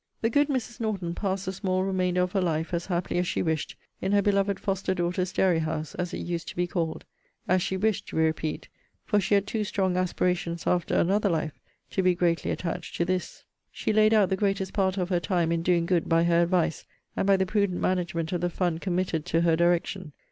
The good Mrs. NORTON passed the small remainder of her life, as happily as she wished, in her beloved foster daughter's dairy house, as it used to be called: as she wished, we repeat; for she had too strong aspirations after another life, to be greatly attached to this. She laid out the greatest part of her time in doing good by her advice, and by the prudent management of the fund committed to her direction.